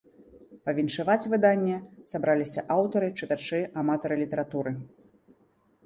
Павіншаваць выданне сабраліся аўтары, чытачы, аматары літаратуры.